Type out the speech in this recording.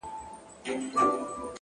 د ښایستونو خدایه سر ټیټول تاته نه وه،